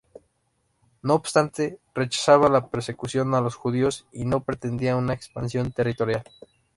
No obstante, rechazaba la persecución a los judíos y no pretendía una expansión territorial.